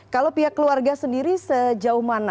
kalau pihak keluarga sendiri sejauh mana